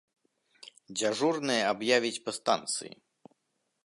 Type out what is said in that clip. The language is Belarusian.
Дзяжурная аб'явіць па станцыі.